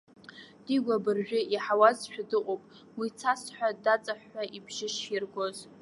Дигәа абыржәы иаҳауазшәа дыҟоуп, уи цасҳәа даҵаҳәҳәа ибжьы ширгоз.